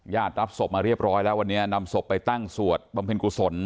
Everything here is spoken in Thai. รับศพมาเรียบร้อยแล้ววันนี้นำศพไปตั้งสวดบำเพ็ญกุศล